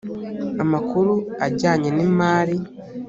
amakuru ajyanye n imari